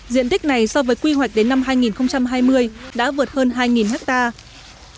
diện tích này so với quy hoạch đến năm hai nghìn hai mươi đã vượt hơn hai hectare